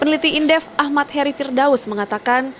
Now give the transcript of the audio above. peneliti indef ahmad heri firdaus mengatakan